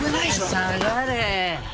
下がれ。